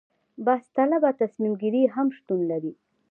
بحث طلبه تصمیم ګیري هم شتون لري.